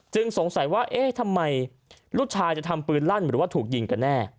สงสัยว่าเอ๊ะทำไมลูกชายจะทำปืนลั่นหรือว่าถูกยิงกันแน่